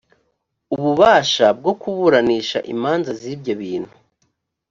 ububasha bwo kuburanisha imanza z ibyo bintu